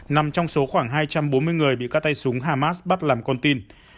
nằm trong số khoảng hai trăm bốn mươi người bị các tay súng hamas bắt làm con tin